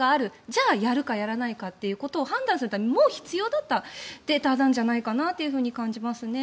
じゃあやるかやらないかというために判断するためにも必要だったデータなんじゃないかなと感じますね。